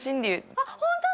あっホントだ！